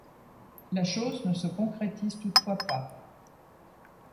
La chose ne se concrétise toutefois pas.